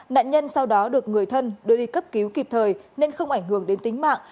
nạn nhân sau đó được người thân đưa đi cấp cứu kịp thời nên không ảnh hưởng đến tính mạng